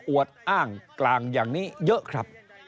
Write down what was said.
วดอ้างกลางอย่างนี้เยอะครับ